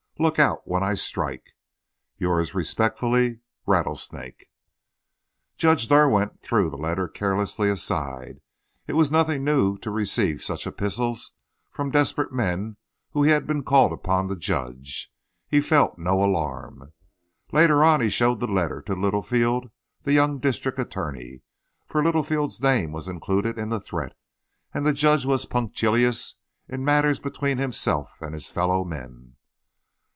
Look out when I strike. Yours respectfully, RATTLESNAKE. Judge Derwent threw the letter carelessly aside. It was nothing new to receive such epistles from desperate men whom he had been called upon to judge. He felt no alarm. Later on he showed the letter to Littlefield, the young district attorney, for Littlefield's name was included in the threat, and the judge was punctilious in matters between himself and his fellow men.